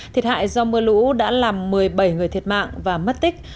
thiệt hại do mưa lũ đã làm một mươi bảy người thiệt mạng và mất tích